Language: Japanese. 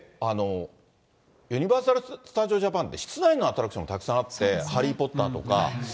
ユニバーサル・スタジオ・ジャパンって室内のアトラクションたくさんあって、ハリー・ポッターとか。